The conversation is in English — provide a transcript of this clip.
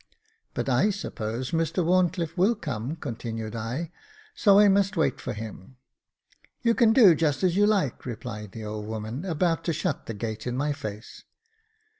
" But I suppose Mr WharnclifFe will come," continued I, " so I must wait for him." " You can do just as you like," replied the old woman, about to shut the gate in my face.